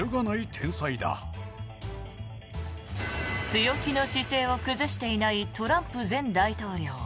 強気の姿勢を崩していないトランプ前大統領。